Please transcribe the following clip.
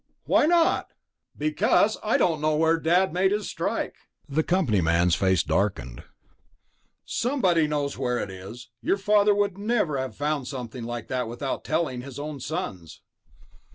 "Why not?" "Because I don't know where Dad made his strike." The company man's face darkened. "Somebody knows where it is. Your father would never have found something like that without telling his own sons...."